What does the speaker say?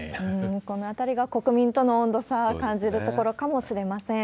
このあたりが国民との温度差、感じるところかもしれません。